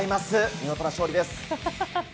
見事な勝利です。